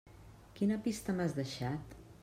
Quina pista m'has deixat?